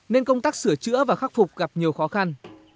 nên công tác sửa chữa và khắc phục gặp nhiều khó khăn